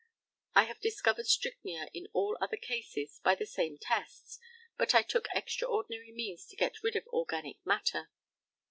I have discovered strychnia in all other cases by the same tests, but I took extraordinary means to get rid of organic matter.